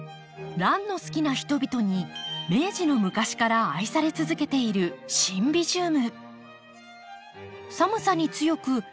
ランの好きな人々に明治の昔から愛され続けている寒さに強く花もちも抜群。